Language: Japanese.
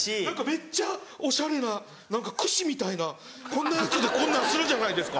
めっちゃおしゃれな何かくしみたいなこんなやつでこんなんするじゃないですか。